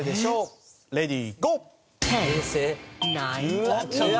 うわっちょっと。